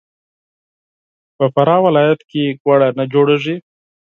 په فراه ولایت کې ګوړه نه جوړیږي.